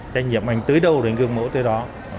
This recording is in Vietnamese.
trách nhiệm của anh tới đâu thì anh gương mẫu tới đó